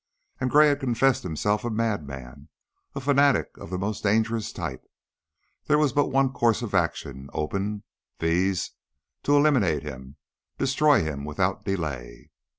And Gray had confessed himself a madman a fanatic of the most dangerous type. There was but one course of action open viz., to eliminate him, destroy him without delay.